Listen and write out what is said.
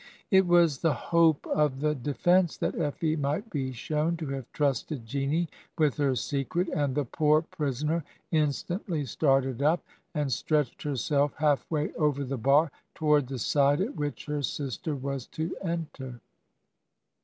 It was the hope of the defence that Effie might be shown to have trusted Jeanie with her secret, and " the poor prisoner instantly started up, and stretched herself half way over the bar, toward the side at which her sister was to enter.